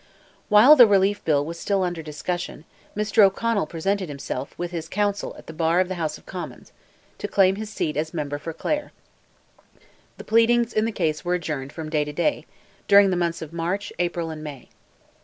While the Relief Bill was still under discussion, Mr. O'Connell presented himself, with his counsel, at the bar of the House of Commons, to claim his seat as member for Clare. The pleadings in the case were adjourned from day to day, during the months of March, April, and May.